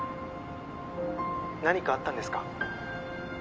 「何かあったんですか？」